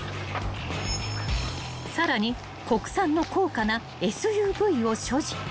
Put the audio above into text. ［さらに国産の高価なＳＵＶを所持］